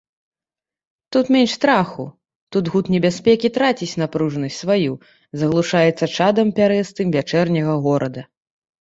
Тут менш страху, тут гуд небяспекі траціць напружанасць сваю, заглушаецца чадам пярэстым вячэрняга горада.